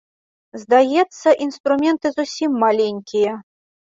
Здаецца, інструменты зусім маленькія.